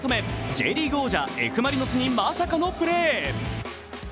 Ｊリーグ王者Ｆ・マリノスにまさかのプレー。